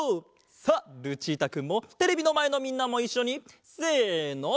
さあルチータくんもテレビのまえのみんなもいっしょにせの！